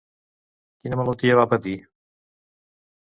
Quina malaltia va patir?